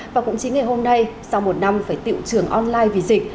và cũng chính ngày hôm nay sau một năm phải tiệu trường online vì dịch